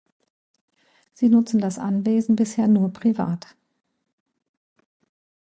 Sie nutzen das Anwesen bisher nur privat.